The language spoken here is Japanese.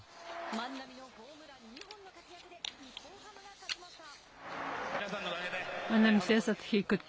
万波のホームラン２本の活躍で日本ハムが勝ちました。